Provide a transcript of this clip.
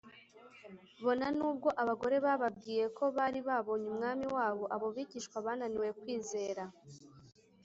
bona nubwo abagore bababwiye ko bari babonye umwami wabo, abo bigishwa bananiwe kwizera